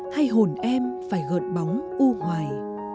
hay hồn em phải gợn bóng u hoài